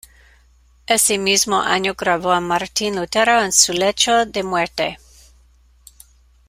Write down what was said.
Ese mismo año grabó a Martín Lutero en su lecho de muerte.